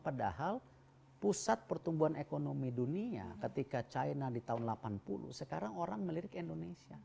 padahal pusat pertumbuhan ekonomi dunia ketika china di tahun delapan puluh sekarang orang melirik indonesia